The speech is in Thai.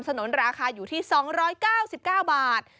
นุนราคาอยู่ที่๒๙๙บาท